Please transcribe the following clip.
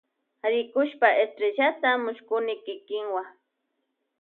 Rikushpa estrellata mullkuni kikiwa.